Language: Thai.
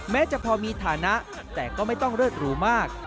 แม้จะพอมีฐานะแต่ก็ไม่ต้องเลิศหรูมาก